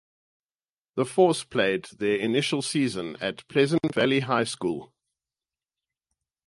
The Force played their initial season at Pleasant Valley High School.